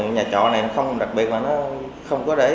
nhà chọ này không đặc biệt là nó không có để cái tên bản